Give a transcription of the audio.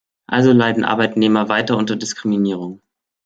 Also leiden Arbeitnehmer weiter unter Diskriminierung.